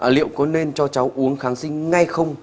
liệu có nên cho cháu uống kháng sinh ngay không